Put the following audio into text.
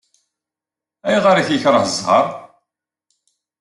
Ayɣer ay t-yekṛeh zzheṛ?